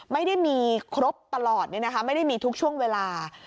ไม่ได้มีครบตลอดไม่ได้มีทุกช่วงเวลา